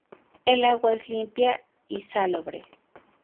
El agua es limpia y salobre.